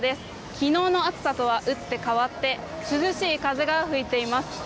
昨日の暑さとは打って変わって涼しい風が吹いています。